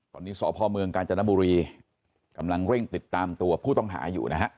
ตอนนี้สพเมืองกาญจนบุรีกำลังเร่งติดตามตัวผู้ต้องหาอยู่นะฮะ